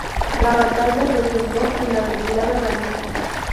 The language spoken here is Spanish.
La batalla resultó en la retirada danesa.